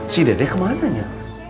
si dede ke mananya